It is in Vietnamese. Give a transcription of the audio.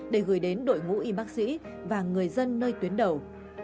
để gửi đến đội ngũ y bác sĩ và người dân nơi tuyến đầu